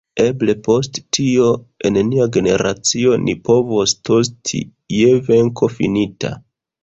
Eble post tio en nia generacio ni povos tosti je venko finita.